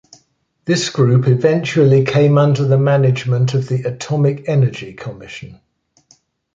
This group eventually came under the management of the Atomic Energy Commission.